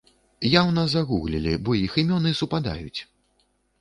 Яўна загуглілі, бо іх імёны супадаюць!